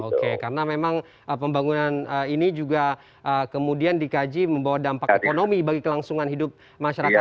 oke karena memang pembangunan ini juga kemudian dikaji membawa dampak ekonomi bagi kelangsungan hidup masyarakat